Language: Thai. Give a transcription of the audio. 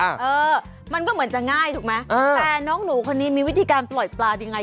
เออมันก็เหมือนจะง่ายถูกไหมแต่น้องหนูคนนี้มีวิธีการปล่อยปลายังไง